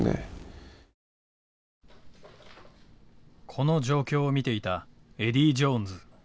この状況を見ていたエディー・ジョーンズ。